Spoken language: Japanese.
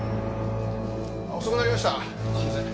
遅くなりました。